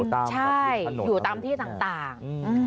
ใช่อยู่ตามที่ต่าง